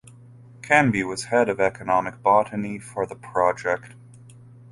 Canby was head of Economic Botany for the project.